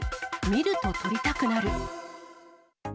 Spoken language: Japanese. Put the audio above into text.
見るととりたくなる。